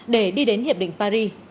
để đi đến hiệp định paris